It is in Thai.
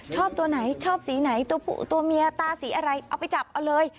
ชอบตัวไหนชอบสีไหนตัวผู้ตัวเมียตาสีอะไรเอาไปจับเอาเลย